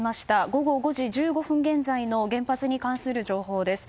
午後５時１５分現在の原発に関する情報です。